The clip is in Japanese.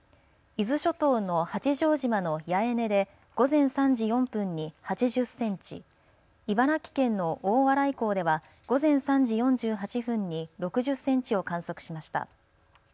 伊豆諸島の八丈島の八重根で午前３時４分に８０センチ、茨城県の大洗港では午前３時４８分に６０センチを観測しました。